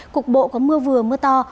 cục bộ có mưa vừa mưa to